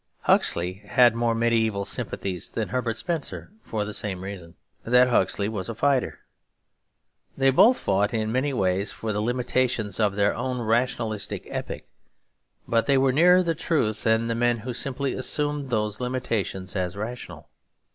Huxley had more mediaeval sympathies than Herbert Spencer for the same reason; that Huxley was a fighter. They both fought in many ways for the limitations of their own rationalistic epoch; but they were nearer the truth than the men who simply assumed those limitations as rational.